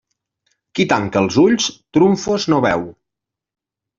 Qui tanca els ulls, trumfos no veu.